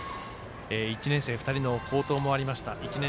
１年生、２人の好投もありました。